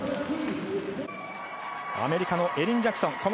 アメリカのエリン・ジャクソン